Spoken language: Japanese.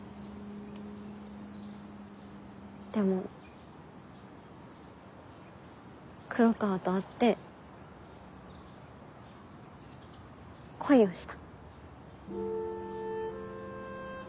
でも黒川と会って恋をした。